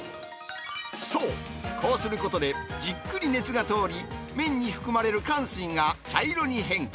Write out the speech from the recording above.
そう、こうすることでじっくり熱が通り、麺に含まれるかん水が茶色に変化。